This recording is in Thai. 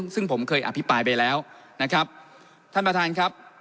ซึ่งผมเคยอภิปรายไปแล้วนะครับท่านประธานครับ